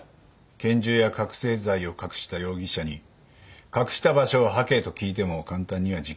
拳銃や覚醒剤を隠した容疑者に「隠した場所を吐け」と聞いても簡単には自供しない。